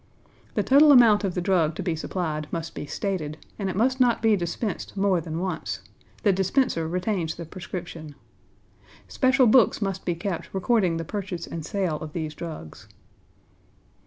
The total amount of the drug to be supplied must be stated, and it must not be dispensed more than once; the dispenser retains the prescription. Special books must be kept recording the purchase and sale of these drugs.